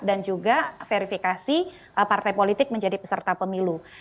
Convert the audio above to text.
dan juga verifikasi partai politik menjadi peserta politik